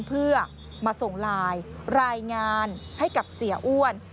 เพื่อมาส่งไลน์รายงานให้กับเสียอ้วน